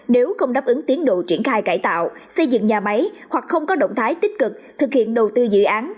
nếu không đáp ứng tiến độ triển khai cải tạo xây dựng nhà máy hoặc không có động thái tích cực thực hiện đầu tư dự án